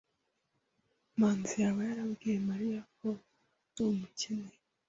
Manzi yaba yarabwiye Mariya ko ari umukene?